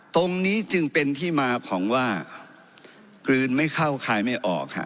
ตรงนี้จึงเป็นที่มาของว่ากลืนไม่เข้าคลายไม่ออกฮะ